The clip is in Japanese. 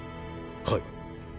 はい。